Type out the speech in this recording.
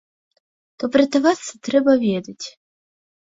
Каб ратавацца трэба ведаць.